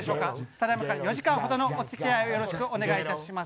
ただいまから４時間ほどのおつきあいをお願いいたします。